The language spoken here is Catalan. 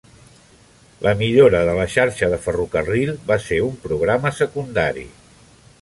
La millora de la xarxa de ferrocarril va ser un programa secundari.